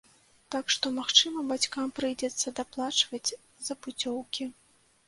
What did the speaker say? Так што, магчыма, бацькам прыйдзецца даплачваць за пуцёўкі.